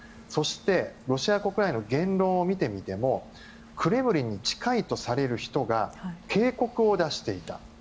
そして、ロシア国内の言論を見てみてもクレムリンに近いとされる人が警告を出していた。